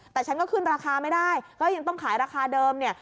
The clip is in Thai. แต่ฉันก็ขึ้นราคาไม่ได้ก็ยังต้องขายราคาเดิมเนี่ย